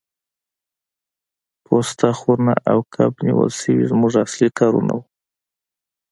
پوسته خونه او کب نیول زموږ اصلي کارونه وو